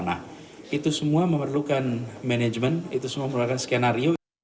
nah itu semua memerlukan manajemen itu semua memerlukan skenario